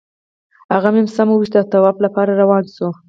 هغه مې سم وویشت او طواف لپاره روان شوو.